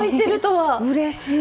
うれしい！